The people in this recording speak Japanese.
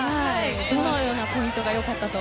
どのようなポイントがよかったと？